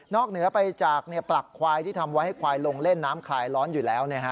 เหนือไปจากปลักควายที่ทำไว้ให้ควายลงเล่นน้ำคลายร้อนอยู่แล้ว